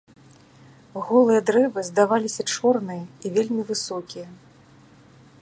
Голыя дрэвы здаваліся чорныя і вельмі высокія.